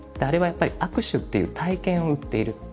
あれはやっぱり握手っていう体験を売っている。